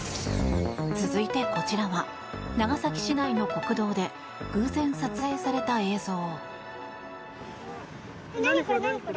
続いて、こちらは長崎市内の国道で偶然、撮影された映像。